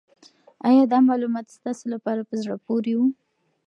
آیا دا معلومات ستاسو لپاره په زړه پورې وو؟